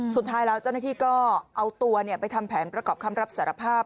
สุดท้ายแล้วเจ้าหน้าที่ก็เอาตัวไปทำแผนประกอบคำรับสารภาพ